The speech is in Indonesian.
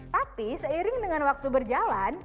tapi seiring dengan waktu berjalan